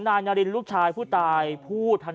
ชาวบ้านญาติโปรดแค้นไปดูภาพบรรยากาศขณะ